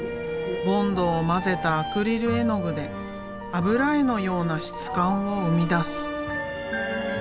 ボンドを混ぜたアクリル絵の具で油絵のような質感を生み出す。